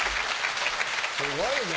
すごいね。